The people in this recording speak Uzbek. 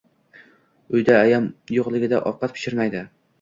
Uyda Ayam yoʻqligida ovqat pishirmaydi